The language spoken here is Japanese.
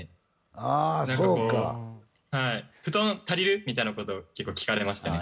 ああそうか何かこうはい「布団足りる？」みたいなことを結構聞かれましたね